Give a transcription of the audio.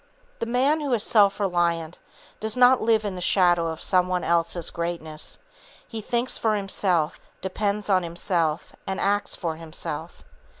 The man who is self reliant does not live in the shadow of some one else's greatness; he thinks for himself, depends on himself, and acts for himself.